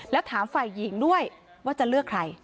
แล้วถามฝ่ายหญิงด้วยว่าจะเลือกใคร